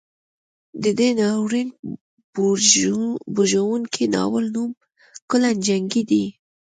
د دې ناورین بوږنوونکي ناول نوم کلا جنګي دی.